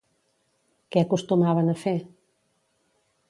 Què acostumaven a fer?